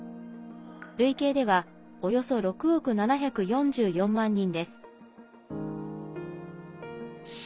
累計ではおよそ６億７４４万人です。